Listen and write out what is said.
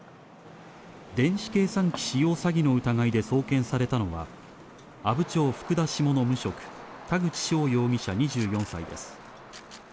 電子計算機使用詐欺の疑いで送検されたのは、阿武町福田下の無職、田口翔容疑者２４歳です。